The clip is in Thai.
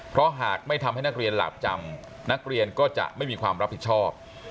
เพราะหากไม่ทำให้นักเรียนหลาบจำนักเรียนก็จะไม่มีความรับผิดชอบ